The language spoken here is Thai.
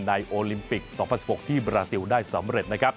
ในโอลิมปิก๒๐๑๖ที่บราซิลได้สำเร็จ